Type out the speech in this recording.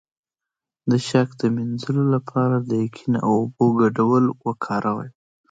د شک د مینځلو لپاره د یقین او اوبو ګډول وکاروئ